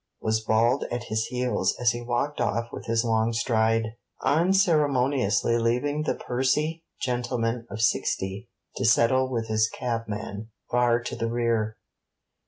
was bawled at his heels as he walked off with his long stride, unceremoniously leaving the pursy gentleman of sixty to settle with his cabman far to the rear.